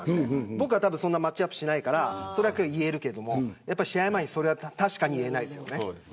僕はそんなにマッチアップしないから、言えるけど試合前にそれは確かに言えないですね。